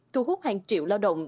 thu hút hàng triệu lao động